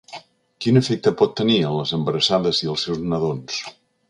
Quin efecte pot tenir en les embarassades i els seus nadons?